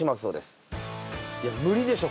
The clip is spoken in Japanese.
いや無理でしょ